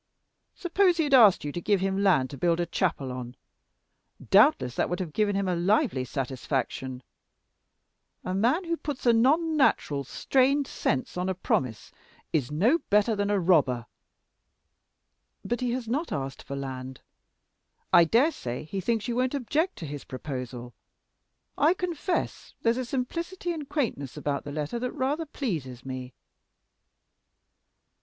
Suppose he had asked you to give him land to build a chapel on; doubtless that would have given him a 'lively satisfaction.' A man who puts a non natural, strained sense on a promise is no better than a robber." "But he has not asked for land. I dare say he thinks you won't object to his proposal. I confess there's a simplicity and quaintness about the letter that rather pleases me."